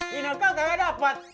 si neka kagak dapat